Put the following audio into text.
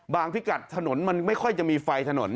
พิกัดถนนมันไม่ค่อยจะมีไฟถนน